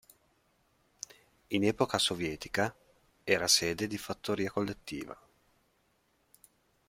In epoca sovietica, era sede di fattoria collettiva.